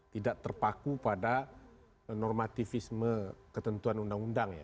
tidak terpaku pada normativisme ketentuan undang undang ya